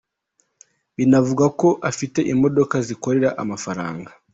Binavugwa ko afite imodoka zikorera amafaranga.